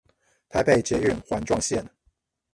臺北捷運環狀線